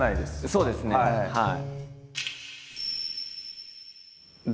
そうですねはい。